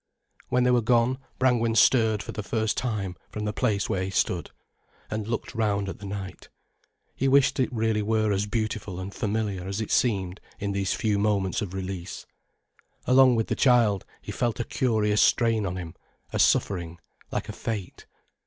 When they were gone, Brangwen stirred for the first time from the place where he stood, and looked round at the night. He wished it were really as beautiful and familiar as it seemed in these few moments of release. Along with the child, he felt a curious strain on him, a suffering, like a fate.